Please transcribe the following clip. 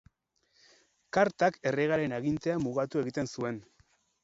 Kartak erregearen agintea mugatu egiten zuen.